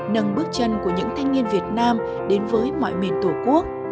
nâng bước chân của những thanh niên việt nam đến với mọi miền tổ quốc